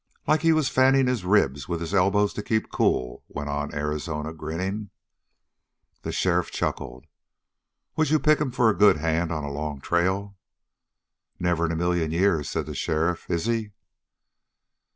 "Like he was fanning his ribs with his elbows to keep cool?" went on Arizona, grinning. The sheriff chuckled. "Would you pick him for a good hand on a long trail?" "Never in a million years," said the sheriff. "Is he?"